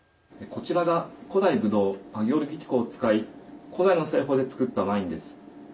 こちらが古代ブドウアギオルギティコを使い古代の製法で造ったワインです。